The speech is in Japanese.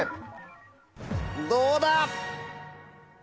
どうだ？